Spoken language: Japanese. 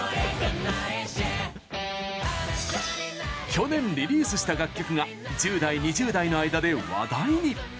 去年リリースした楽曲が１０代・２０代の間で話題に。